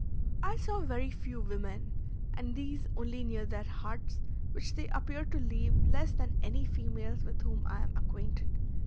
I saw very few women, and these only near their huts, which they appear to leave less than any females with whom I am acquainted.